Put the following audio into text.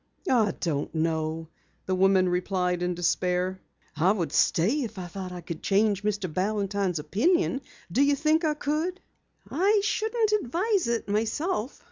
"I don't know," the woman replied in despair. "I would stay if I thought I could change Mr. Balantine's opinion. Do you think I could?" "I shouldn't advise it myself.